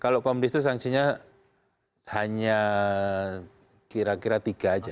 kalau komdis itu sanksinya hanya kira kira tiga aja